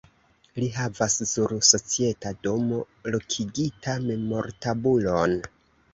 Li havas sur Societa domo lokigita memortabulon.